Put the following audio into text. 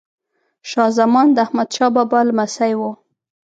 شاه زمان د احمد شاه بابا لمسی وه.